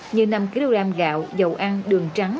phẩm thiết yếu như năm kg gạo dầu ăn đường trắng